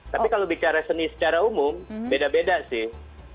tapi kalau bicara seni secara umum beda beda sih